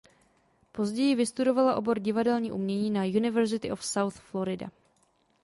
Později vystudovala obor divadelní umění na University of South Florida.